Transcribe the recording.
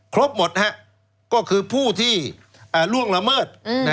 ครบหมดก็คือผู้ที่ล่วงละเมิด